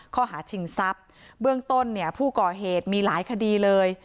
ข้อหาชิงทรัพย์เบื้องต้นเนี่ยผู้ก่อเหตุมีหลายคดีเลย